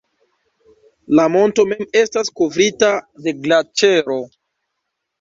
La monto mem estas kovrita de glaĉero.